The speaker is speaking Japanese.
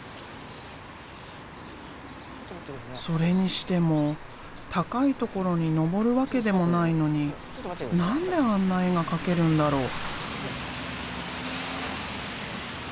それにしても高いところにのぼるわけでもないのに何であんな絵が描けるんだろう？